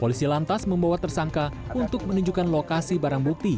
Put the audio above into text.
polisi lantas membawa tersangka untuk menunjukkan lokasi barang bukti